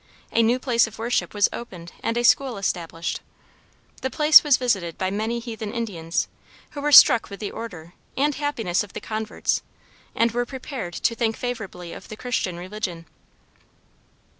A new place of worship was opened and a school established. The place was visited by many heathen Indians, who were struck with the order, and happiness of the converts, and were prepared to think favorably of the Christian religion.